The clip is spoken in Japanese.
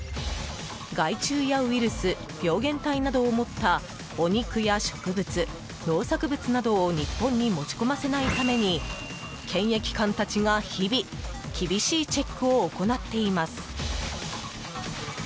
害虫やウイルス病原体などを持ったお肉や植物、農作物などを日本に持ち込ませないために検疫官たちが日々厳しいチェックを行っています。